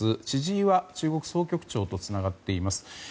千々岩中国総局長とつながっています。